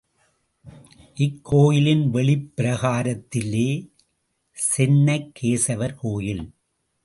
இக்கோயிலின் வெளிப் பிரகாரத்திலே, சென்னக்கேசவர் கோயில்.